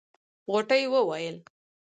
غوټۍ وويل.